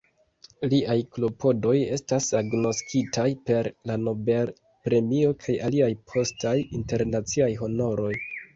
Liaj klopodoj estas agnoskitaj per la Nobel-premio kaj aliaj postaj internaciaj honoroj.